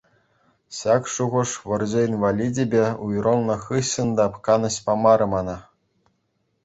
Ҫак шухӑш вӑрҫӑ инваличӗпе уйрӑлнӑ хыҫҫӑн та канӑҫ памарӗ мана.